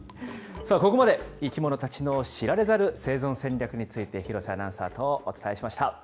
ここまで、生き物たちの知られざる生存戦略について、廣瀬アナウンサーとお伝えしました。